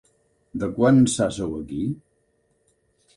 De quan ençà sou aquí?